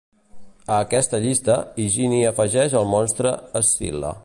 A aquesta llista Higini afegeix el monstre Escil·la.